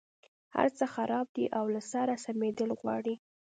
هرڅه خراب دي او له سره سمېدل غواړي.